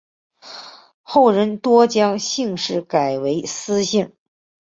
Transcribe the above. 后人多将姓氏改为司姓。